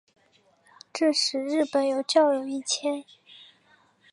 这时日本有教友一千。